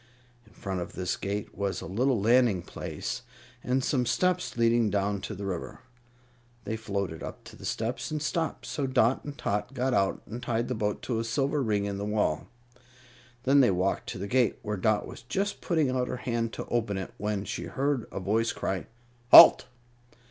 In front of this gate was a little landing place and some steps leading down to the river. They floated up to the steps and stopped, so Dot and Tot got out and tied the boat to a silver ring in the wall. Then they walked to the gate, where Dot was just putting out her hand to open it, when she heard a voice cry: "Halt!"